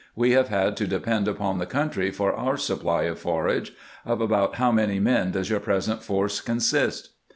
We have had to depend upon the country for our supply of forage. Of about how many men does your present force consist